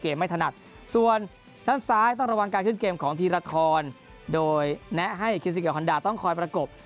ไม่ถนัดส่วนด้านซ้ายต้องระวังการขึ้นเกมของทีละครโดยแนะให้คิซิเกียลฮอนดาต้องคอยประกบ